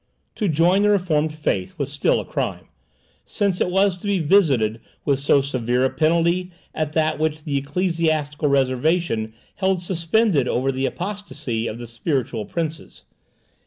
To join the reformed faith was still a crime, since it was to be visited with so severe a penalty as that which the Ecclesiastical Reservation held suspended over the apostacy of the spiritual princes.